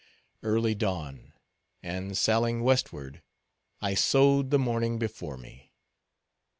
Early dawn; and, sallying westward, I sowed the morning before me.